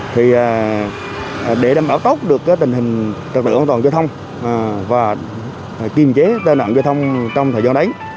thì để đảm bảo tốt được tình hình trật tự an toàn giao thông và kiềm chế tai nạn giao thông trong thời gian đấy